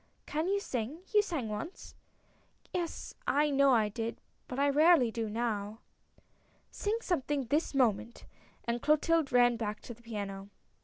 " Can you sing? You sang once." " Yes, I know I did, but I rarely do now." " Sing something this moment !" and Clotilde ran back to the piano.